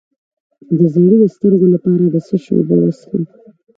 د زیړي د سترګو لپاره د څه شي اوبه وڅښم؟